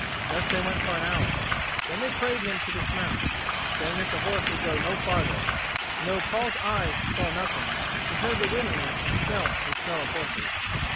Thus they went for an hour. Then they prayed him to dismount, saying that the horse could go no farther; and though Paul's eyes saw nothing, he heard the whinnying and smelt the smell of horses.